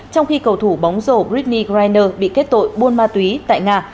trong khi cầu thủ bóng rổ britney greiner bị kết tội buôn ma túy tại nga